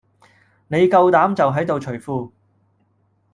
你夠膽就喺度除褲